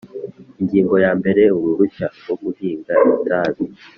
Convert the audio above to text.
Ingingo ya mbere Uruhushya rwo guhinga itabi